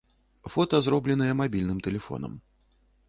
Фота зробленыя мабільным тэлефонам.